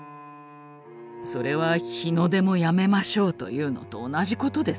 それは日の出もやめましょうというのと同じことです。